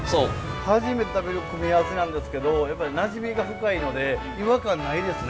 初めて食べる組み合わせなんですけどやっぱりなじみが深いので違和感ないですね。